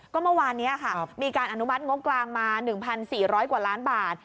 ก็เมื่อวานนี้ค่ะมีการอนุมัติงบกลางมา๑๔๐๐กว่าล้านบาท